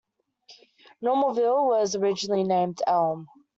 Normalville was originally named "Elm".